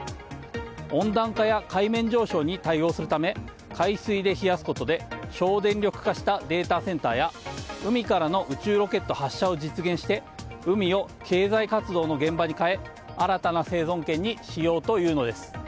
温暖化や海面上昇に対応するため海水で冷やすことで省電力化したデータセンターや海からの宇宙ロケット発射を実現して海を経済活動の現場に変え新たな生存圏にしようというのです。